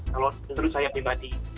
kalau menurut saya pribadi